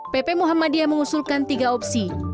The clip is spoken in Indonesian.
pp muhammadiyah mengusulkan tiga opsi